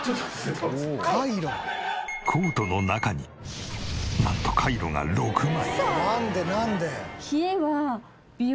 コートの中になんとカイロが６枚。